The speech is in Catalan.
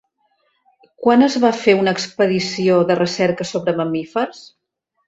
Quan es va fer una expedició de recerca sobre mamífers?